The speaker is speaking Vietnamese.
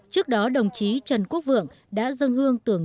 trước đó đồng chí trần quốc vượng đã dân hương